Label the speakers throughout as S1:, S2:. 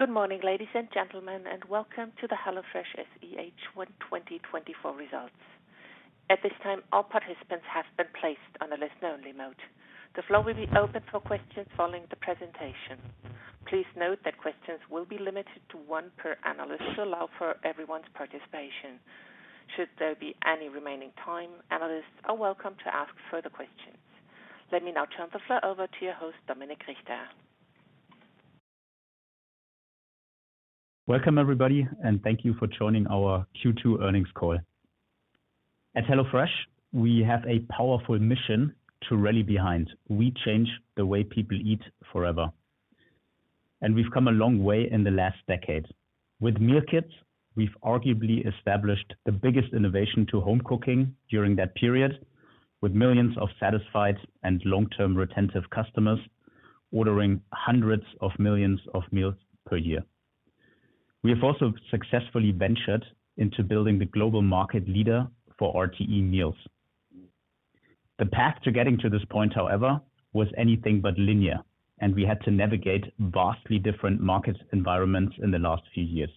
S1: Good morning, ladies and gentlemen, and welcome to the HelloFresh SE H1 2024 results. At this time, all participants have been placed on a listen-only mode. The floor will be open for questions following the presentation. Please note that questions will be limited to one per analyst to allow for everyone's participation. Should there be any remaining time, analysts are welcome to ask further questions. Let me now turn the floor over to your host, Dominik Richter.
S2: Welcome, everybody, and thank you for joining our Q2 earnings call. At HelloFresh, we have a powerful mission to rally behind. We change the way people eat forever, and we've come a long way in the last decade. With meal kits, we've arguably established the biggest innovation to home cooking during that period, with millions of satisfied and long-term retentive customers ordering hundreds of millions of meals per year. We have also successfully ventured into building the global market leader for RTE meals. The path to getting to this point, however, was anything but linear, and we had to navigate vastly different market environments in the last few years.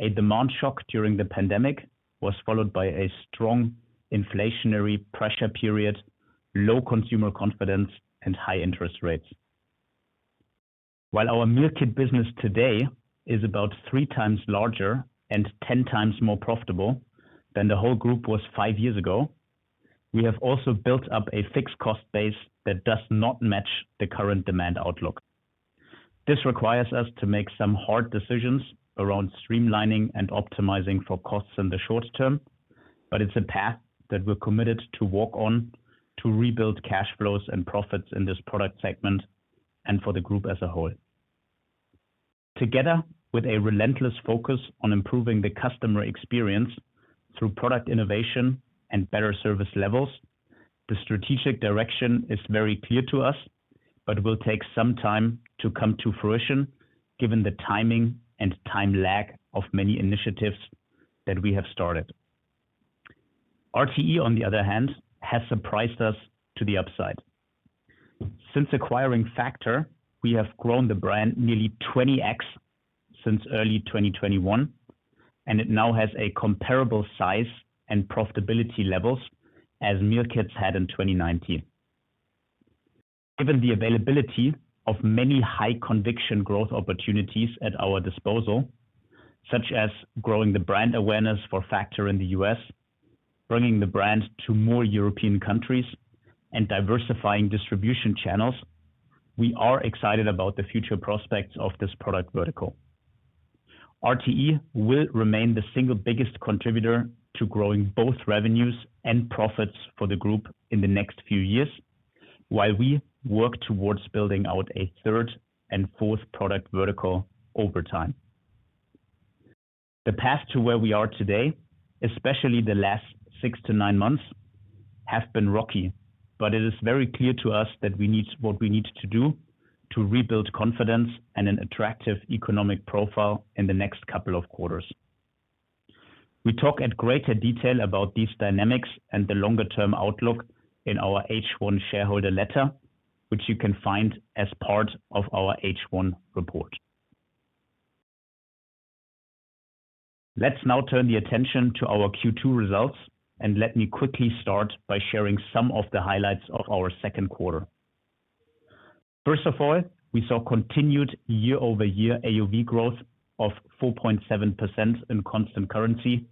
S2: A demand shock during the pandemic was followed by a strong inflationary pressure period, low consumer confidence, and high interest rates. While our meal kit business today is about 3 times larger and 10 times more profitable than the whole group was 5 years ago, we have also built up a fixed cost base that does not match the current demand outlook. This requires us to make some hard decisions around streamlining and optimizing for costs in the short term, but it's a path that we're committed to walk on to rebuild cash flows and profits in this product segment and for the group as a whole. Together with a relentless focus on improving the customer experience through product innovation and better service levels, the strategic direction is very clear to us, but will take some time to come to fruition, given the timing and time lag of many initiatives that we have started. RTE, on the other hand, has surprised us to the upside. Since acquiring Factor, we have grown the brand nearly 20x since early 2021, and it now has a comparable size and profitability levels as meal kits had in 2019. Given the availability of many high conviction growth opportunities at our disposal, such as growing the brand awareness for Factor in the U.S., bringing the brand to more European countries, and diversifying distribution channels, we are excited about the future prospects of this product vertical. RTE will remain the single biggest contributor to growing both revenues and profits for the group in the next few years, while we work towards building out a third and fourth product vertical over time. The path to where we are today, especially the last six to nine months, have been rocky, but it is very clear to us that we need, what we need to do to rebuild confidence and an attractive economic profile in the next couple of quarters. We talk at greater detail about these dynamics and the longer-term outlook in our H1 shareholder letter, which you can find as part of our H1 report. Let's now turn the attention to our Q2 results, and let me quickly start by sharing some of the highlights of our second quarter. First of all, we saw continued year-over-year AOV growth of 4.7% in constant currency,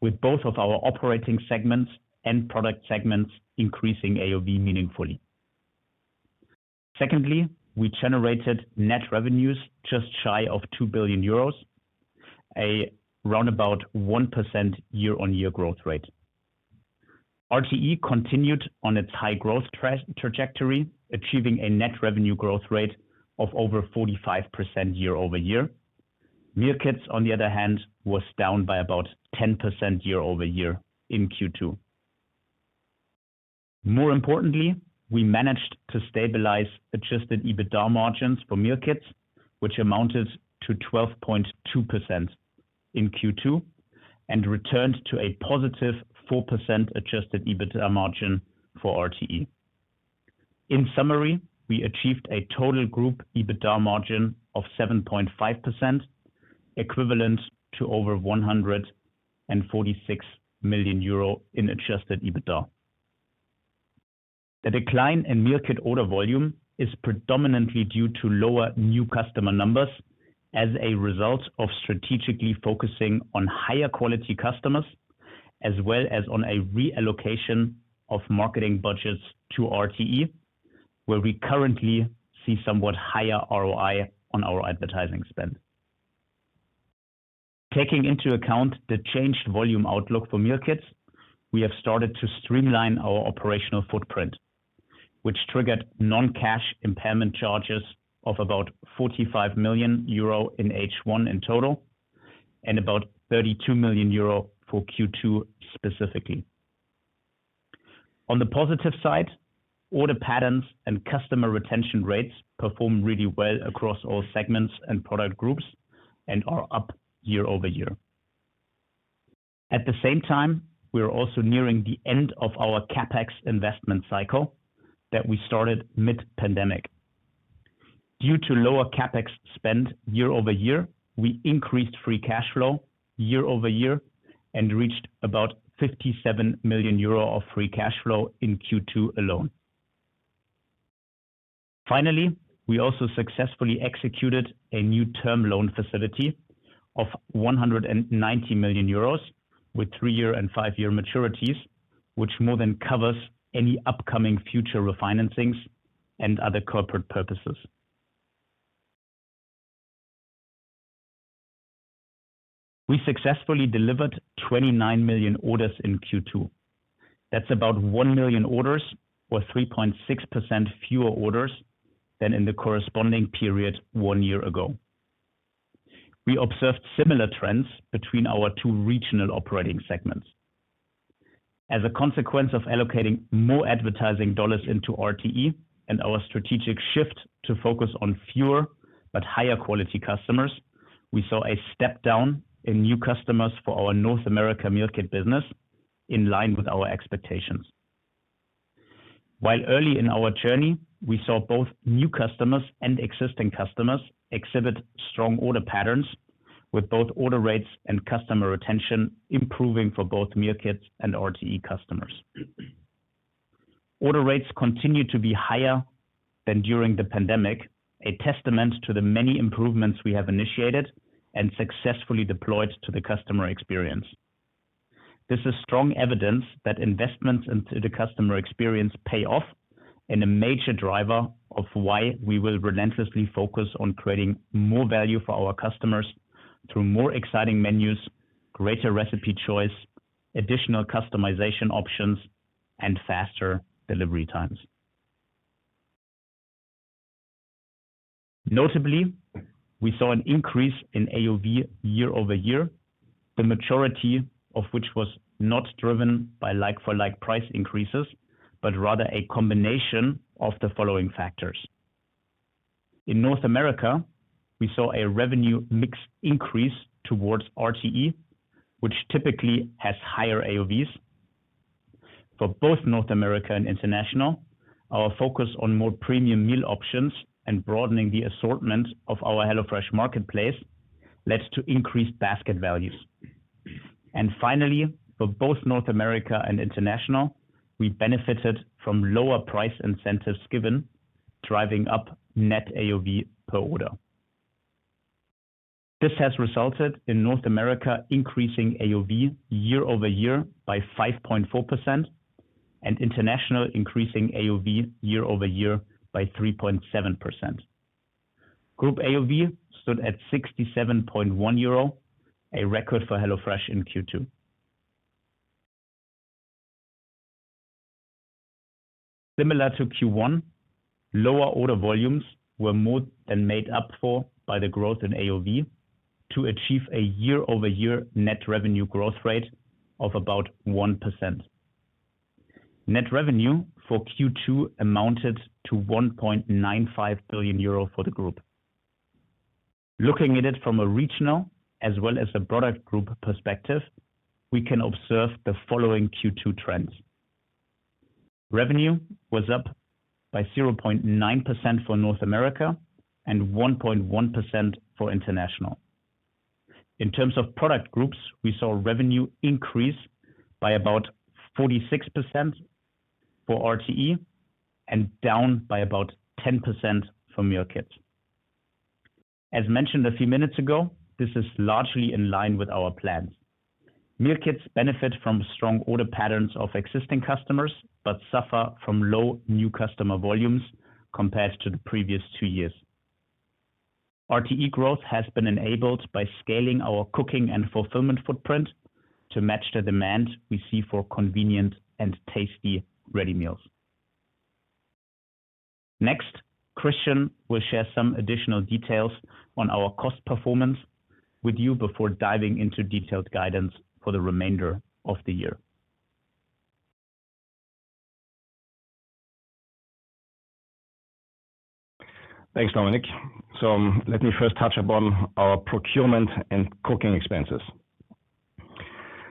S2: with both of our operating segments and product segments increasing AOV meaningfully. Secondly, we generated net revenues just shy of 2 billion euros, a roundabout 1% year-on-year growth rate. RTE continued on its high growth trajectory, achieving a net revenue growth rate of over 45% year-over-year. Meal kits, on the other hand, was down by about 10% year-over-year in Q2. More importantly, we managed to stabilize adjusted EBITDA margins for meal kits, which amounted to 12.2% in Q2, and returned to a positive 4% adjusted EBITDA margin for RTE. In summary, we achieved a total group EBITDA margin of 7.5%, equivalent to over 146 million euro in adjusted EBITDA. The decline in meal kit order volume is predominantly due to lower new customer numbers as a result of strategically focusing on higher quality customers, as well as on a reallocation of marketing budgets to RTE, where we currently see somewhat higher ROI on our advertising spend. Taking into account the changed volume outlook for meal kits, we have started to streamline our operational footprint, which triggered non-cash impairment charges of about 45 million euro in H1 in total, and about 32 million euro for Q2 specifically. On the positive side, order patterns and customer retention rates perform really well across all segments and product groups, and are up year over year.... At the same time, we are also nearing the end of our CapEx investment cycle that we started mid-pandemic. Due to lower CapEx spend year over year, we increased free cash flow year over year and reached about 57 million euro of free cash flow in Q2 alone. Finally, we also successfully executed a new term loan facility of 190 million euros, with three-year and five-year maturities, which more than covers any upcoming future refinancings and other corporate purposes. We successfully delivered 29 million orders in Q2. That's about 1 million orders or 3.6% fewer orders than in the corresponding period one year ago. We observed similar trends between our two regional operating segments. As a consequence of allocating more advertising dollars into RTE and our strategic shift to focus on fewer but higher quality customers, we saw a step down in new customers for our North America meal kit business, in line with our expectations. While early in our journey, we saw both new customers and existing customers exhibit strong order patterns, with both order rates and customer retention improving for both meal kits and RTE customers. Order rates continue to be higher than during the pandemic, a testament to the many improvements we have initiated and successfully deployed to the customer experience. This is strong evidence that investments into the customer experience pay off, and a major driver of why we will relentlessly focus on creating more value for our customers through more exciting menus, greater recipe choice, additional customization options, and faster delivery times. Notably, we saw an increase in AOV year-over-year, the maturity of which was not driven by like-for-like price increases, but rather a combination of the following factors. In North America, we saw a revenue mix increase towards RTE, which typically has higher AOVs. For both North America and International, our focus on more premium meal options and broadening the assortment of our HelloFresh Marketplace led to increased basket values. And finally, for both North America and International, we benefited from lower price incentives given, driving up net AOV per order. This has resulted in North America increasing AOV year-over-year by 5.4%, and International increasing AOV year-over-year by 3.7%. Group AOV stood at 67.1 euro, a record for HelloFresh in Q2. Similar to Q1, lower order volumes were more than made up for by the growth in AOV to achieve a year-over-year net revenue growth rate of about 1%. Net revenue for Q2 amounted to 1.95 billion euro for the group. Looking at it from a regional as well as a product group perspective, we can observe the following Q2 trends: Revenue was up by 0.9% for North America and 1.1% for International. In terms of product groups, we saw revenue increase by about 46% for RTE and down by about 10% for meal kits. As mentioned a few minutes ago, this is largely in line with our plans. Meal kits benefit from strong order patterns of existing customers, but suffer from low new customer volumes compared to the previous two years. RTE growth has been enabled by scaling our cooking and fulfillment footprint to match the demand we see for convenient and tasty ready meals. Next, Christian will share some additional details on our cost performance with you before diving into detailed guidance for the remainder of the year.
S3: Thanks, Dominik. So let me first touch upon our procurement and cooking expenses.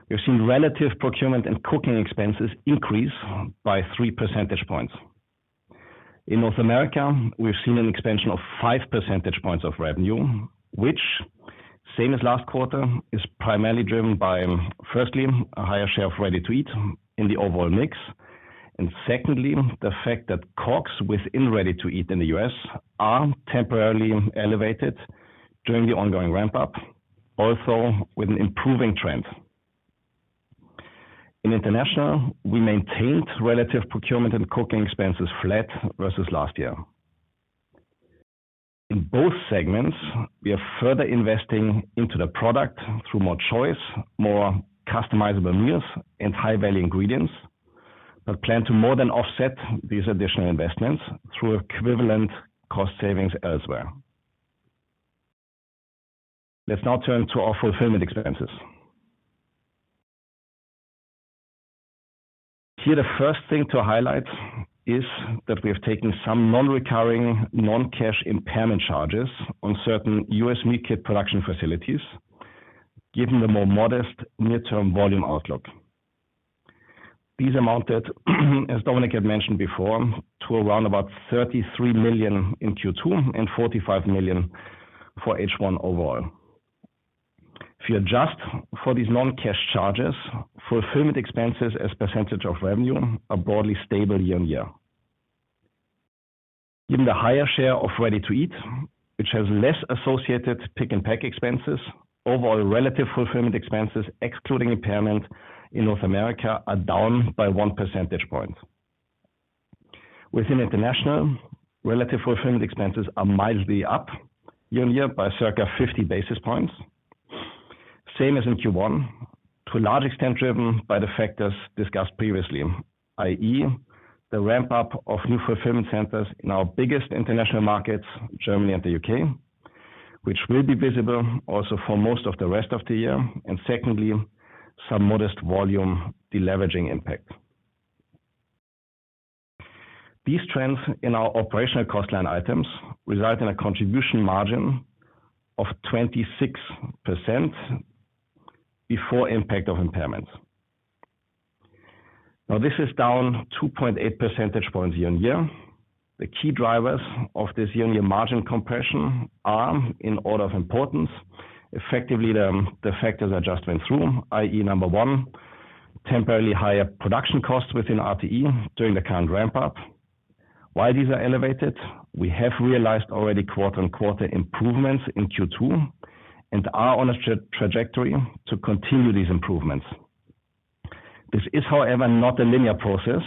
S3: We've seen relative procurement and cooking expenses increase by 3 percentage points. In North America, we've seen an expansion of 5 percentage points of revenue, which, same as last quarter, is primarily driven by, firstly, a higher share of ready-to-eat in the overall mix, and secondly, the fact that costs within ready-to-eat in the U.S. are temporarily elevated during the ongoing ramp up, also with an improving trend. In international, we maintained relative procurement and cooking expenses flat versus last year. In both segments, we are further investing into the product through more choice, more customizable meals, and high-value ingredients, but plan to more than offset these additional investments through equivalent cost savings elsewhere. Let's now turn to our fulfillment expenses... Here, the first thing to highlight is that we have taken some non-recurring, non-cash impairment charges on certain U.S. meal kit production facilities, given the more modest midterm volume outlook. These amounted, as Dominik had mentioned before, to around about 33 million in Q2 and 45 million for H1 overall. If you adjust for these non-cash charges, fulfillment expenses as percentage of revenue are broadly stable year-on-year. Given the higher share of ready-to-eat, which has less associated pick and pack expenses, overall relative fulfillment expenses, excluding impairment in North America, are down by one percentage point. Within International, relative fulfillment expenses are mildly up year-on-year by circa 50 basis points. Same as in Q1, to a large extent driven by the factors discussed previously, i.e., the ramp-up of new fulfillment centers in our biggest international markets, Germany and the U.K., which will be visible also for most of the rest of the year, and secondly, some modest volume deleveraging impact. These trends in our operational cost line items result in a contribution margin of 26% before impact of impairment. Now, this is down 2.8 percentage points year-on-year. The key drivers of this year-on-year margin compression are, in order of importance, effectively, the factors I just went through, i.e., number one, temporarily higher production costs within RTE during the current ramp-up. While these are elevated, we have realized already quarter-on-quarter improvements in Q2 and are on a trajectory to continue these improvements. This is, however, not a linear process,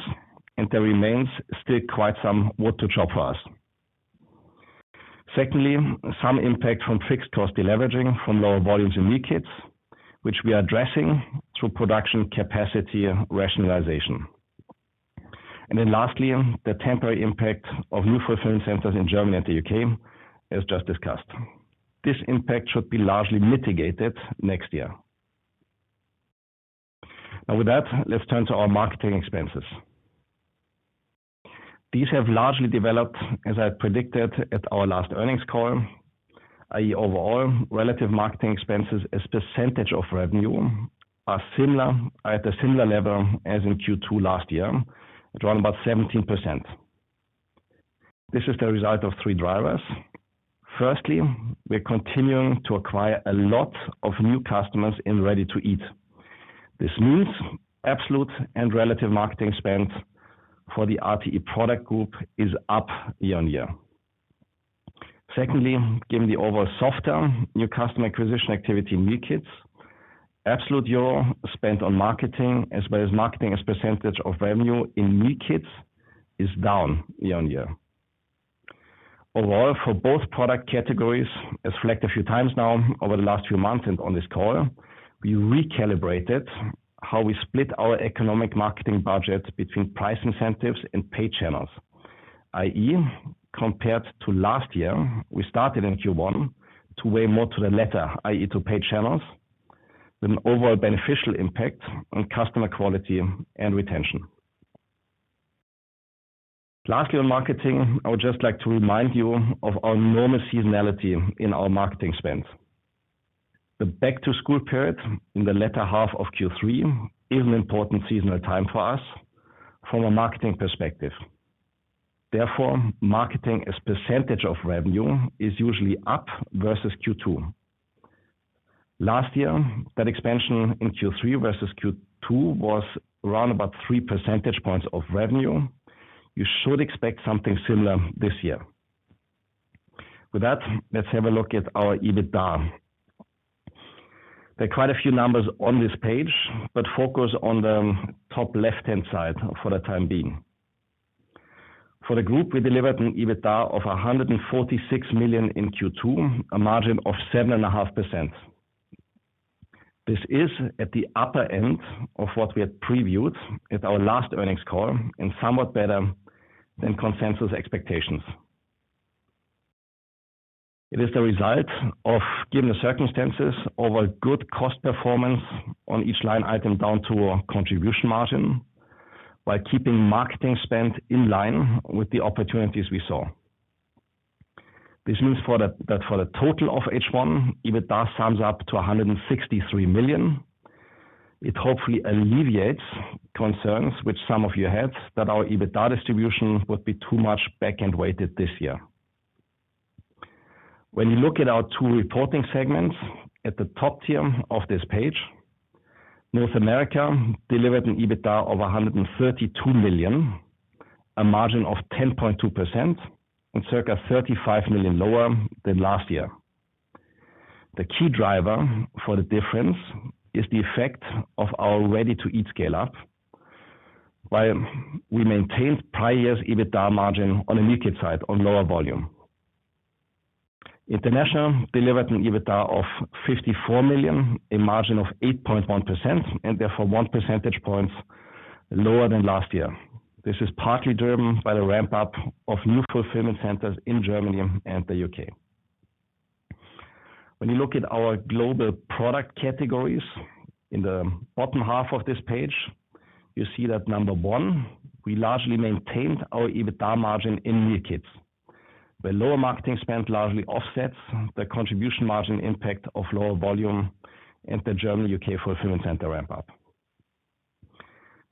S3: and there remains still quite some work to do for us. Secondly, some impact from fixed cost deleveraging from lower volumes in meal kits, which we are addressing through production capacity rationalization. And then lastly, the temporary impact of new fulfillment centers in Germany and the U.K., as just discussed. This impact should be largely mitigated next year. Now, with that, let's turn to our marketing expenses. These have largely developed, as I predicted at our last earnings call, i.e., overall, relative marketing expenses as percentage of revenue are similar—at a similar level as in Q2 last year, at around about 17%. This is the result of three drivers. Firstly, we're continuing to acquire a lot of new customers in ready-to-eat. This means absolute and relative marketing spend for the RTE product group is up year-on-year. Secondly, given the overall softer new customer acquisition activity in meal kits, absolute Euro spend on marketing, as well as marketing as percentage of revenue in meal kits, is down year-on-year. Overall, for both product categories, as reflected a few times now over the last few months and on this call, we recalibrated how we split our economic marketing budget between price incentives and paid channels, i.e., compared to last year, we started in Q1 to weigh more to the latter, i.e., to paid channels, with an overall beneficial impact on customer quality and retention. Lastly, on marketing, I would just like to remind you of our enormous seasonality in our marketing spend. The back-to-school period in the latter half of Q3 is an important seasonal time for us from a marketing perspective. Therefore, marketing as percentage of revenue is usually up versus Q2. Last year, that expansion in Q3 versus Q2 was around about three percentage points of revenue. You should expect something similar this year. With that, let's have a look at our EBITDA. There are quite a few numbers on this page, but focus on the top left-hand side for the time being. For the group, we delivered an EBITDA of 146 million in Q2, a margin of 7.5%. This is at the upper end of what we had previewed at our last earnings call and somewhat better than consensus expectations. It is the result of, given the circumstances, overall good cost performance on each line item down to our contribution margin, while keeping marketing spend in line with the opportunities we saw. This means that for the total of H1, EBITDA sums up to 163 million. It hopefully alleviates concerns which some of you had, that our EBITDA distribution would be too much back-end weighted this year. When you look at our two reporting segments at the top tier of this page, North America delivered an EBITDA of 132 million, a margin of 10.2%, and circa 35 million lower than last year. The key driver for the difference is the effect of our ready-to-eat scale-up, while we maintained prior year's EBITDA margin on the meal kit side on lower volume. International delivered an EBITDA of 54 million, a margin of 8.1%, and therefore one percentage point lower than last year. This is partly driven by the ramp-up of new fulfillment centers in Germany and the UK. When you look at our global product categories, in the bottom half of this page, you see that number one, we largely maintained our EBITDA margin in meal kits, where lower marketing spend largely offsets the contribution margin impact of lower volume and the German and UK fulfillment center ramp up.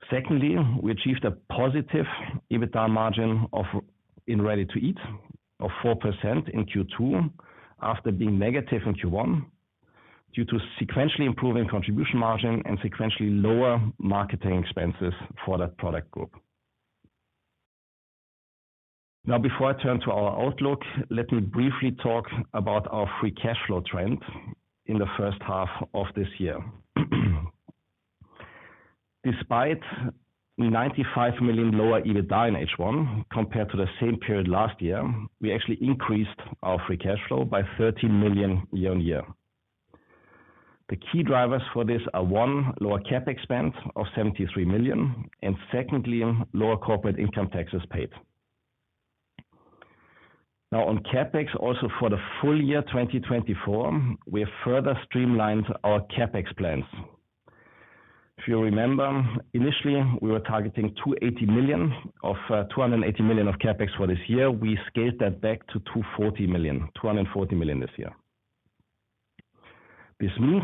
S3: Secondly, we achieved a positive EBITDA margin of, in ready-to-eat of 4% in Q2, after being negative in Q1, due to sequentially improving contribution margin and sequentially lower marketing expenses for that product group. Now, before I turn to our outlook, let me briefly talk about our free cash flow trend in the first half of this year. Despite 95 million lower EBITDA in H1, compared to the same period last year, we actually increased our free cash flow by 13 million year-on-year. The key drivers for this are, one, lower CapEx spend of 73 million, and secondly, lower corporate income taxes paid. Now, on CapEx, also for the full year 2024, we have further streamlined our CapEx plans. If you remember, initially, we were targeting 280 million of, 280 million of CapEx for this year. We scaled that back to 240 million, 240 million this year. This means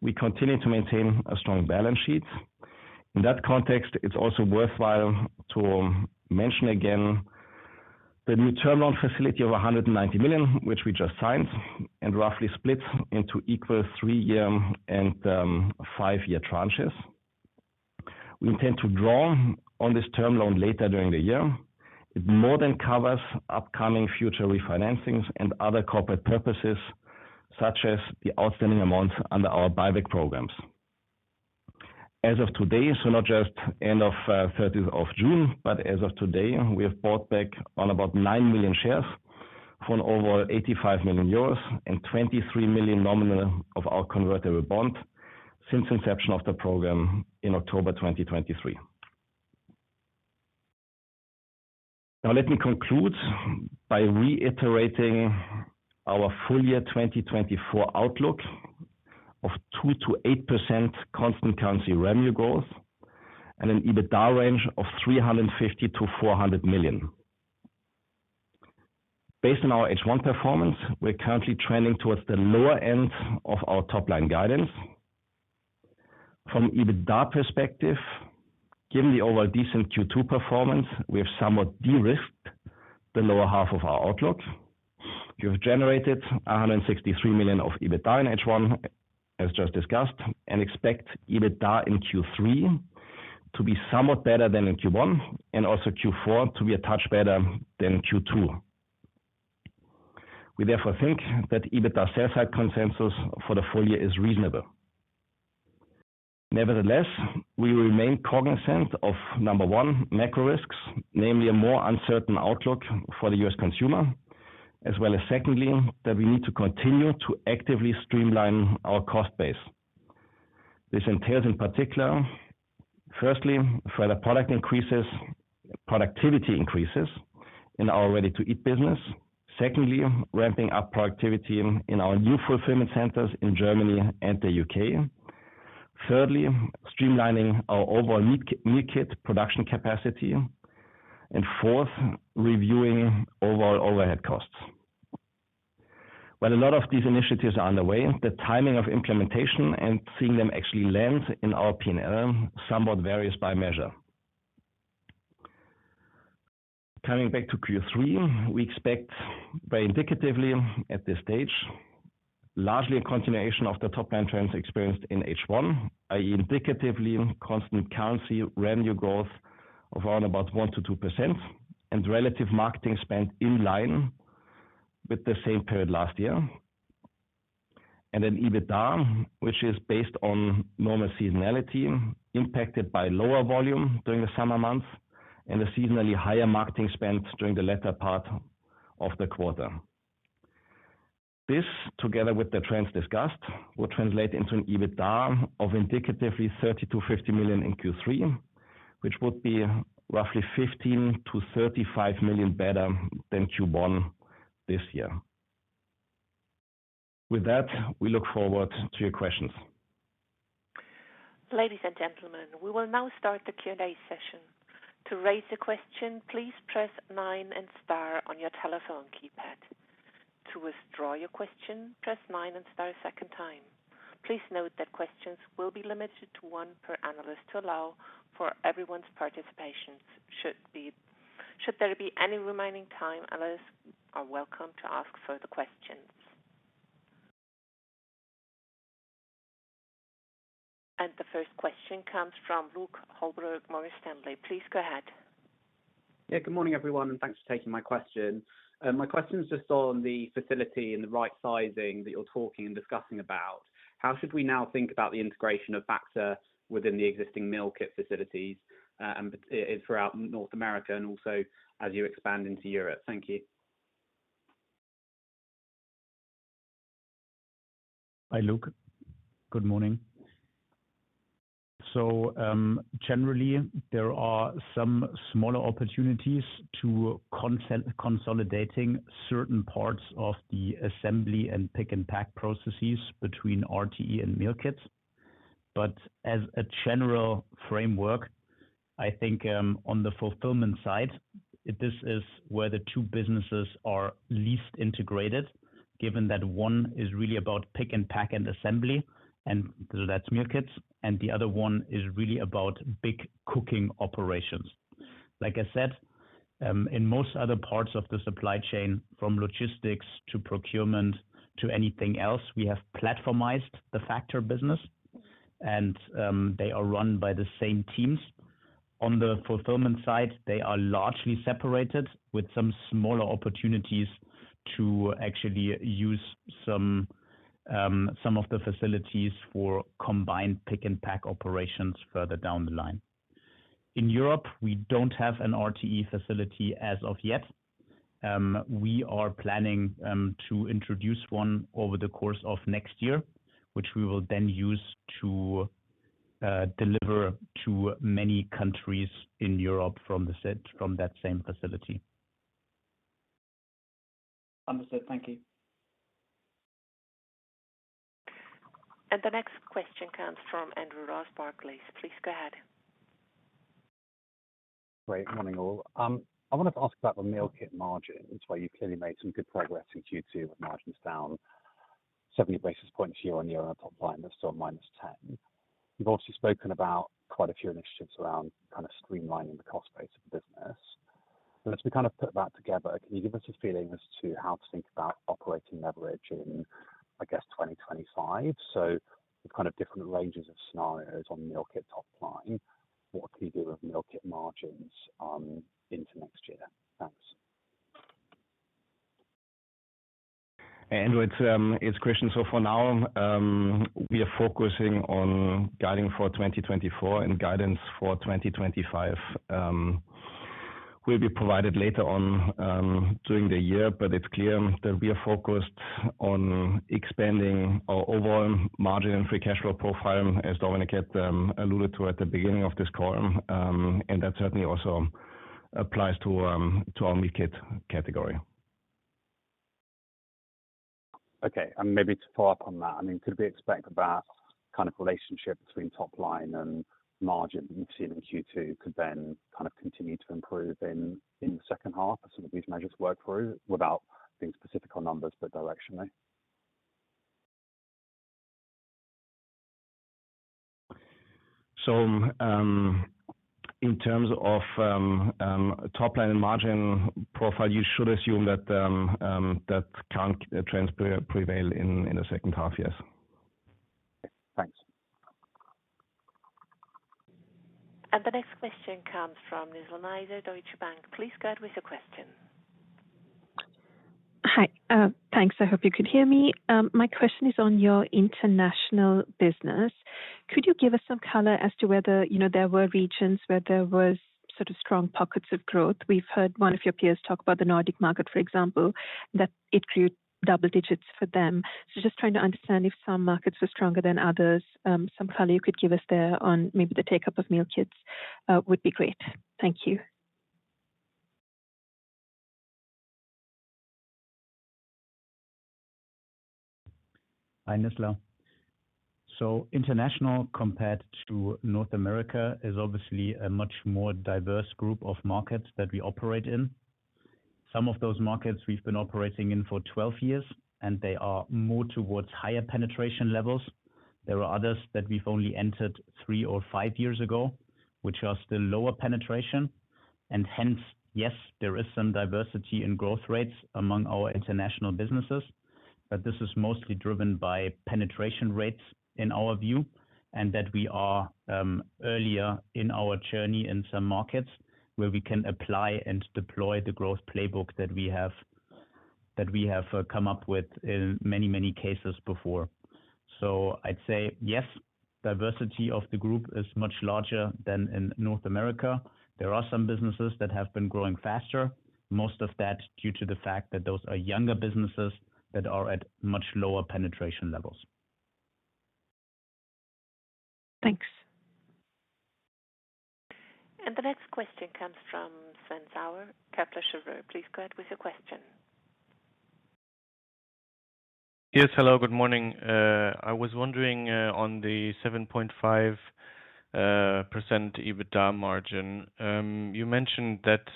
S3: we continue to maintain a strong balance sheet. In that context, it's also worthwhile to mention again, the new term loan facility of 190 million, which we just signed, and roughly splits into equal 3-year and 5-year tranches. We intend to draw on this term loan later during the year. It more than covers upcoming future refinancings and other corporate purposes, such as the outstanding amounts under our buyback programs. As of today, so not just end of 30th of June, but as of today, we have bought back about 9 million shares for over 85 million euros and 23 million nominal of our convertible bond since inception of the program in October 2023. Now, let me conclude by reiterating our full year 2024 outlook of 2%-8% constant currency revenue growth and an Adjusted EBITDA range of 350 million-400 million. Based on our H1 performance, we're currently trending towards the lower end of our top-line guidance. From an EBITDA perspective, given the overall decent Q2 performance, we have somewhat de-risked the lower half of our outlook. We have generated 163 million of EBITDA in H1, as just discussed, and expect EBITDA in Q3 to be somewhat better than in Q1, and also Q4 to be a touch better than Q2. We therefore think that EBITDA sell side consensus for the full year is reasonable. Nevertheless, we remain cognizant of, number one, macro risks, namely a more uncertain outlook for the U.S. consumer, as well as, secondly, that we need to continue to actively streamline our cost base. This entails, in particular, firstly, further product increases, productivity increases in our ready-to-eat business. Secondly, ramping up productivity in our new fulfillment centers in Germany and the U.K. Thirdly, streamlining our overall meal kit production capacity, and fourth, reviewing overall overhead costs. While a lot of these initiatives are underway, the timing of implementation and seeing them actually land in our P&L, somewhat varies by measure. Coming back to Q3, we expect very indicatively at this stage, largely a continuation of the top-line trends experienced in H1, i.e., indicatively, constant currency, revenue growth of around about 1%-2%, and relative marketing spend in line with the same period last year. And then EBITDA, which is based on normal seasonality, impacted by lower volume during the summer months and a seasonally higher marketing spend during the latter part of the quarter. This, together with the trends discussed, will translate into an EBITDA of indicatively 30 million-50 million in Q3, which would be roughly 15 million-35 million better than Q1 this year. With that, we look forward to your questions.
S1: Ladies and gentlemen, we will now start the Q&A session. To raise a question, please press nine and star on your telephone keypad. To withdraw your question, press nine and star a second time. Please note that questions will be limited to one per analyst to allow for everyone's participation. Should there be any remaining time, analysts are welcome to ask further questions. And the first question comes from Luke Holbrook, Morgan Stanley. Please go ahead.
S4: Yeah, good morning, everyone, and thanks for taking my question. My question is just on the facility and the right sizing that you're talking and discussing about. How should we now think about the integration of Factor within the existing meal kit facilities, and throughout North America and also as you expand into Europe? Thank you.
S3: Hi, Luke. Good morning. ...
S2: So, generally, there are some smaller opportunities to consolidating certain parts of the assembly and pick and pack processes between RTE and meal kits. But as a general framework, I think, on the fulfillment side, this is where the two businesses are least integrated, given that one is really about pick and pack and assembly, and so that's meal kits, and the other one is really about big cooking operations. Like I said, in most other parts of the supply chain, from logistics to procurement to anything else, we have platformized the Factor business, and they are run by the same teams. On the fulfillment side, they are largely separated, with some smaller opportunities to actually use some of the facilities for combined pick and pack operations further down the line. In Europe, we don't have an RTE facility as of yet. We are planning to introduce one over the course of next year, which we will then use to deliver to many countries in Europe from that same facility.
S4: Understood. Thank you.
S1: The next question comes from Andrew Ross, Barclays. Please go ahead.
S5: Good morning, all. I wanted to ask about the meal kit margin, where you clearly made some good progress in Q2 with margins down 70 basis points year-on-year on the top line, that's still -10. You've also spoken about quite a few initiatives around kind of streamlining the cost base of the business. As we kind of put that together, can you give us a feeling as to how to think about operating leverage in, I guess, 2025? So kind of different ranges of scenarios on meal kit top line. What can you do with meal kit margins into next year? Thanks.
S3: Andrew, it's Christian. So for now, we are focusing on guiding for 2024, and guidance for 2025 will be provided later on, during the year. But it's clear that we are focused on expanding our overall margin and free cash flow profile, as Dominik alluded to at the beginning of this call. And that certainly also applies to, to our meal kit category.
S5: Okay, and maybe to follow up on that, I mean, could we expect that kind of relationship between top line and margin we've seen in Q2 could then kind of continue to improve in the second half as some of these measures work through? Without being specific on numbers, but directionally.
S3: So, in terms of top line and margin profile, you should assume that that trend will prevail in the second half years.
S5: Thanks.
S1: The next question comes from Nizla Naizer, Deutsche Bank. Please go ahead with your question.
S6: Hi, thanks. I hope you could hear me. My question is on your international business. Could you give us some color as to whether, you know, there were regions where there was sort of strong pockets of growth? We've heard one of your peers talk about the Nordic market for example, that it grew double digits for them. So just trying to understand if some markets were stronger than others, some color you could give us there on maybe the take-up of meal kits, would be great. Thank you.
S2: Hi, Nizla. So International, compared to North America, is obviously a much more diverse group of markets that we operate in. Some of those markets we've been operating in for 12 years, and they are more towards higher penetration levels. There are others that we've only entered 3 or 5 years ago, which are still lower penetration. And hence, yes, there is some diversity in growth rates among our international businesses, but this is mostly driven by penetration rates in our view, and that we are earlier in our journey in some markets where we can apply and deploy the growth playbook that we have, that we have, come up with in many, many cases before. So I'd say yes, diversity of the group is much larger than in North America. There are some businesses that have been growing faster, most of that due to the fact that those are younger businesses that are at much lower penetration levels.
S6: Thanks.
S1: The next question comes from Sven Sauer, Kepler Cheuvreux. Please go ahead with your question.
S7: Yes, hello, good morning. I was wondering, on the 7.5% EBITDA margin. You mentioned that,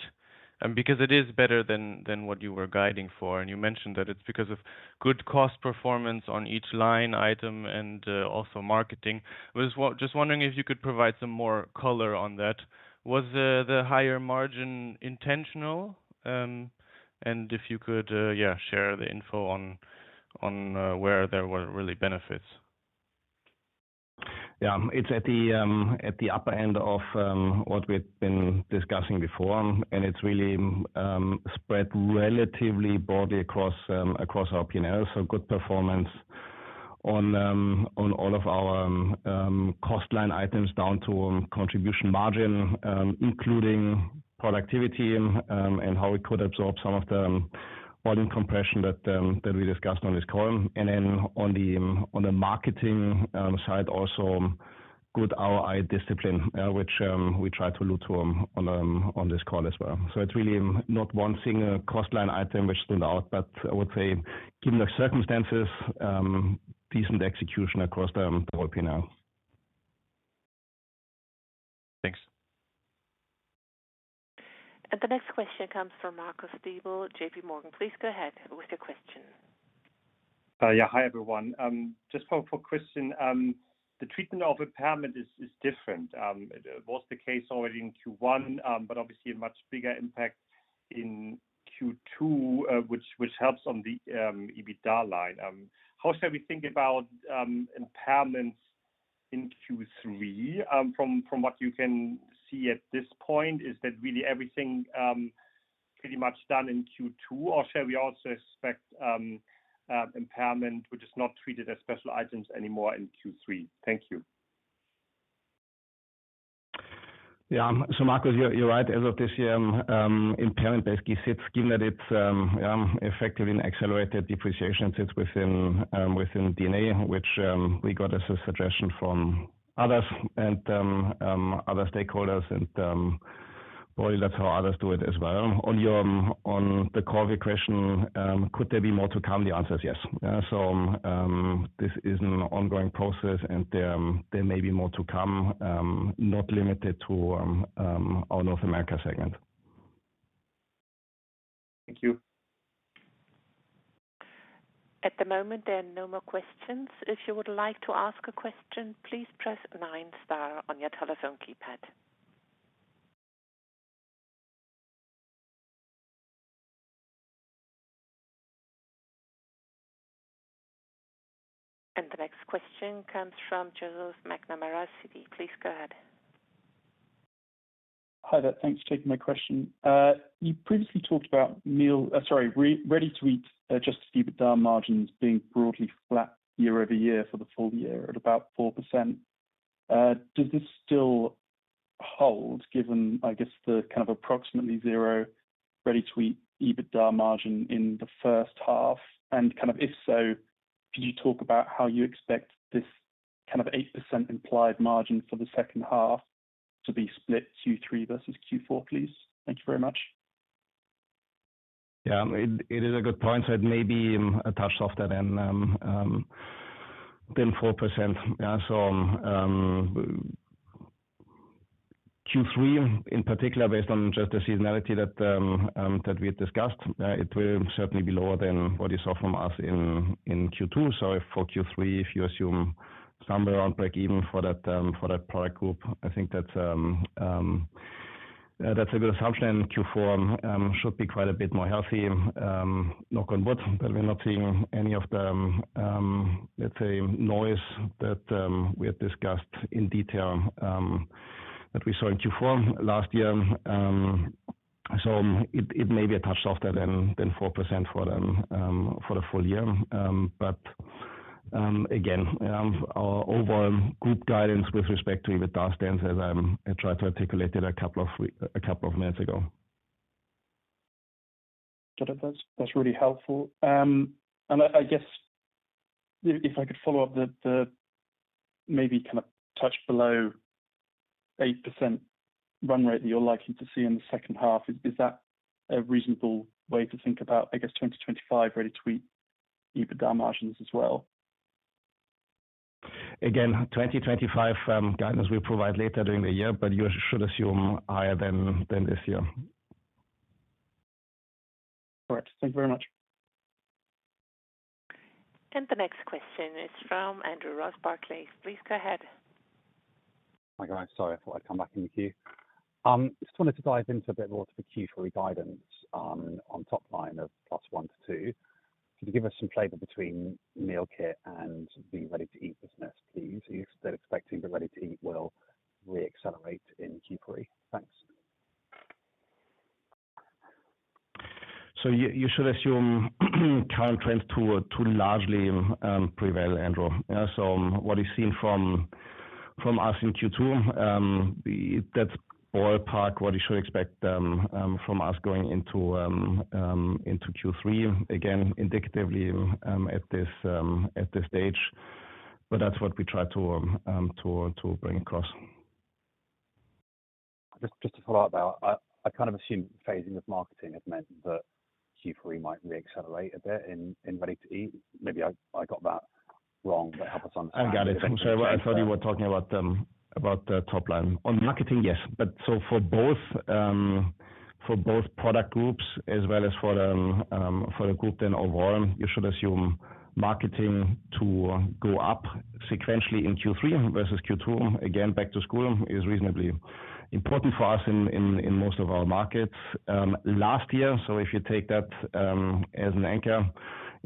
S7: because it is better than what you were guiding for, and you mentioned that it's because of good cost performance on each line item and also marketing. Just wondering if you could provide some more color on that. Was the higher margin intentional? And if you could, yeah, share the info on where there were really benefits.
S3: Yeah. It's at the upper end of what we've been discussing before, and it's really spread relatively broadly across our P&L. So good performance on all of our cost line items down to Contribution Margin, including productivity, and how we could absorb some of the volume compression that we discussed on this call. And then on the marketing side, also good ROI discipline, which we try to look to on this call as well. So it's really not one single cost line item which stood out, but I would say given the circumstances, decent execution across the board P&L.
S7: Thanks.
S1: The next question comes from Marcus Diebel, J.P. Morgan. Please go ahead with your question.
S8: Yeah, hi, everyone. Just for question, the treatment of impairment is different. Was the case already in Q1, but obviously a much bigger impact in Q2, which helps on the EBITDA line. How should we think about impairments in Q3? From what you can see at this point, is that really everything, pretty much done in Q2, or shall we also expect impairment, which is not treated as special items anymore in Q3? Thank you.
S3: Yeah, so, Marco, you're right. As of this year, impairment basically sits, given that it's effectively an accelerated depreciation, sits within EBITDA, which we got as a suggestion from others and other stakeholders, and well, that's how others do it as well. On the core of your question, could there be more to come? The answer is yes. So, this is an ongoing process and there may be more to come, not limited to our North America segment.
S8: Thank you.
S1: At the moment, there are no more questions. If you would like to ask a question, please press nine star on your telephone keypad. And the next question comes from Brian McNamara, Canaccord Genuity. Please go ahead.
S9: Hi there. Thanks for taking my question. You previously talked about ready-to-eat Adjusted EBITDA margins being broadly flat year-over-year for the full year at about 4%. Does this still hold, given, I guess, the kind of approximately 0% ready-to-eat EBITDA margin in the first half? And kind of if so, could you talk about how you expect this kind of 8% implied margin for the second half to be split Q3 versus Q4, please? Thank you very much.
S3: Yeah, it is a good point. So it may be a touch softer than 4%. Yeah, so Q3, in particular, based on just the seasonality that we had discussed, it will certainly be lower than what you saw from us in Q2. So for Q3, if you assume somewhere around break even for that product group, I think that's a good assumption. Q4 should be quite a bit more healthy, knock on wood, but we're not seeing any of the, let's say, noise that we had discussed in detail, that we saw in Q4 last year. So it may be a touch softer than 4% for the full year. But again, our overall group guidance with respect to EBITDA stands as I tried to articulate it a couple of minutes ago.
S9: Got it. That's really helpful. And I guess if I could follow up on the maybe kind of touch below 8% run rate that you're likely to see in the second half. Is that a reasonable way to think about, I guess, 2025 ready to eat EBITDA margins as well?
S3: Again, 2025 guidance we provide later during the year, but you should assume higher than this year.
S9: Great. Thank you very much.
S1: The next question is from Andrew Ross, Barclays. Please go ahead.
S5: Hi, guys. Sorry, I thought I'd come back in the queue. Just wanted to dive into a bit more of the Q3 guidance, on top line of +1 to +2. Can you give us some flavor between meal kit and the ready-to-eat business, please? Are you still expecting the ready-to-eat will re-accelerate in Q3? Thanks.
S3: So you should assume current trends to largely prevail, Andrew. So what you've seen from us in Q2, that's ballpark what you should expect from us going into Q3. Again, indicatively, at this stage, but that's what we try to bring across.
S5: Just to follow up there. I kind of assumed phasing of marketing had meant that Q3 might re-accelerate a bit in Ready-to-Eat. Maybe I got that wrong, but help us understand-
S3: I got it. I'm sorry. I thought you were talking about, about the top line. On marketing, yes. But so for both, for both product groups as well as for the, for the group then overall, you should assume marketing to go up sequentially in Q3 versus Q2. Again, back to school is reasonably important for us in, in most of our markets, last year. So if you take that, as an anchor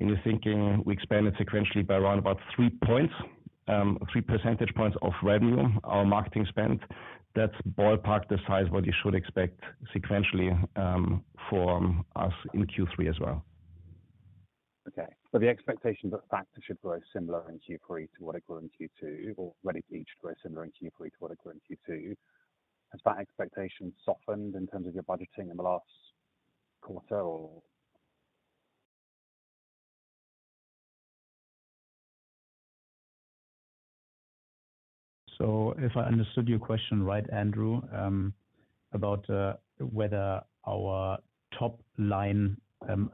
S3: in your thinking, we expanded sequentially by around about three points, 3 percentage points of revenue, our marketing spend. That's ballpark the size what you should expect sequentially, for us in Q3 as well....
S5: Okay, so the expectation that Factor should grow similar in Q3 to what it grew in Q2, or RTE grow similar in Q3 to what it grew in Q2. Has that expectation softened in terms of your budgeting in the last quarter, or?
S3: So if I understood your question right, Andrew, about whether our top line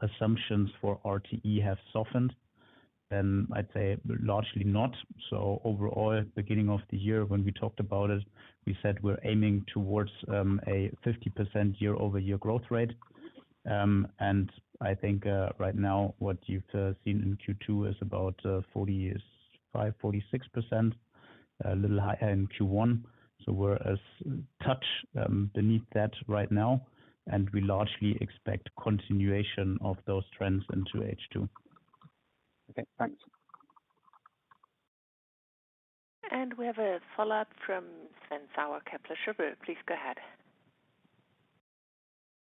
S3: assumptions for RTE have softened, then I'd say largely not. So overall, beginning of the year, when we talked about it, we said we're aiming towards a 50% year-over-year growth rate. And I think right now, what you've seen in Q2 is about 45-46%, a little higher in Q1. So we're a touch beneath that right now, and we largely expect continuation of those trends into H2.
S5: Okay, thanks.
S1: We have a follow-up from Sven Sauer, Kepler Cheuvreux. Please go ahead.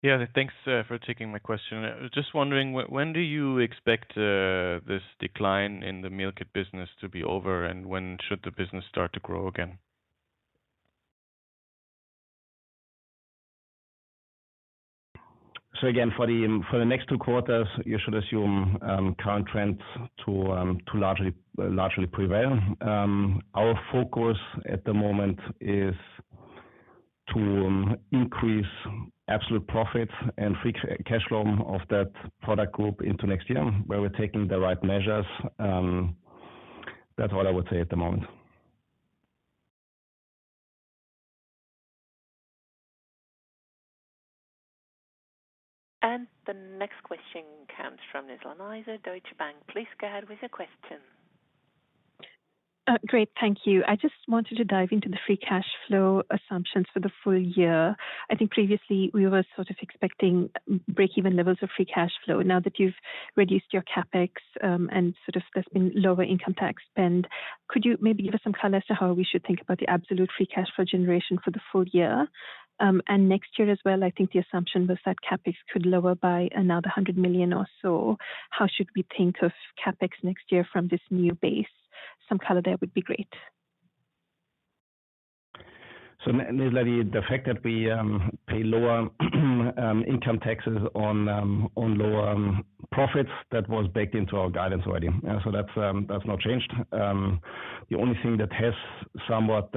S7: Yeah, thanks, for taking my question. I was just wondering when, when do you expect, this decline in the meal kit business to be over, and when should the business start to grow again?
S3: So again, for the next two quarters, you should assume current trends to largely prevail. Our focus at the moment is to increase absolute profit and free cash flow of that product group into next year, where we're taking the right measures. That's all I would say at the moment.
S1: The next question comes from Nizla Naizer, Deutsche Bank. Please go ahead with your question.
S6: Great. Thank you. I just wanted to dive into the free cash flow assumptions for the full year. I think previously we were sort of expecting breakeven levels of free cash flow. Now that you've reduced your CapEx, and sort of discussed lower income tax spend, could you maybe give us some color as to how we should think about the absolute free cash flow generation for the full year? And next year as well, I think the assumption was that CapEx could lower by another 100 million or so. How should we think of CapEx next year from this new base? Some color there would be great.
S3: So Nizla, the fact that we pay lower income taxes on lower profits, that was baked into our guidance already. So that's not changed. The only thing that has somewhat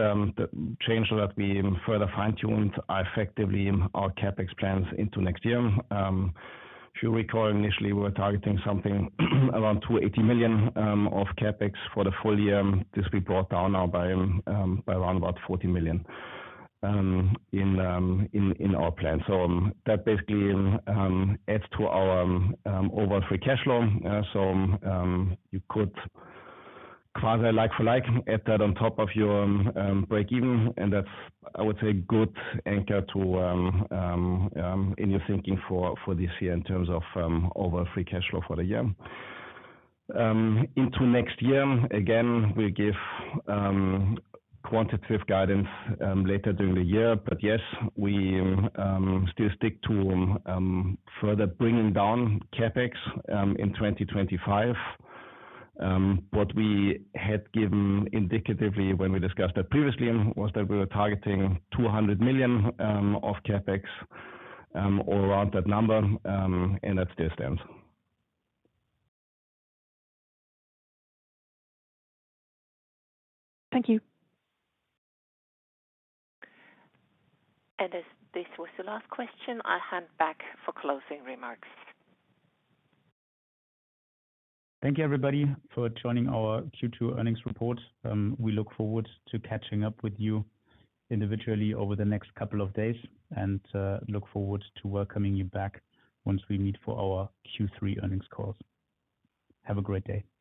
S3: changed, so that we further fine-tuned effectively our CapEx plans into next year. If you recall, initially, we were targeting something around 280 million of CapEx for the full year. This we brought down now by around about 40 million in our plan. So that basically adds to our overall Free Cash Flow. So, you could rather like for like add that on top of your breakeven, and that's, I would say, good anchor to in your thinking for this year in terms of overall free cash flow for the year. Into next year, again, we give quantitative guidance later during the year, but yes, we still stick to further bringing down CapEx in 2025. What we had given indicatively when we discussed that previously was that we were targeting 200 million of CapEx or around that number, and that still stands.
S6: Thank you.
S1: As this was the last question, I'll hand back for closing remarks.
S3: Thank you, everybody, for joining our Q2 earnings report. We look forward to catching up with you individually over the next couple of days, and look forward to welcoming you back once we meet for our Q3 earnings calls. Have a great day. Bye-bye.